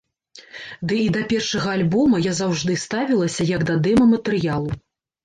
Ды і да першага альбома я заўжды ставілася, як да дэма-матэрыялу.